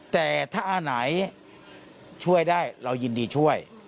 แต่ถ้าอันไหนช่วยได้เรายินดีช่วย